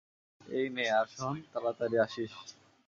এই নে, - আর শোন, তারাতাড়ি আসিছ।